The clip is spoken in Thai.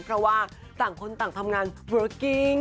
เพราะว่าต่างคนต่างทำงานเวิร์กกิ้ง